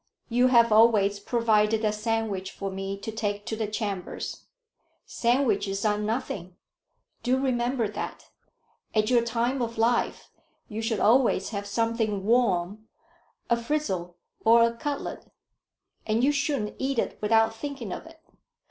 "You have always provided a sandwich for me to take to the chambers." "Sandwiches are nothing. Do remember that. At your time of life you should always have something warm, a frizzle or a cutlet, and you shouldn't eat it without thinking of it.